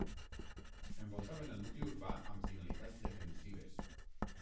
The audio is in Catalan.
Envoltaven el nucli urbà amb finalitats defensives.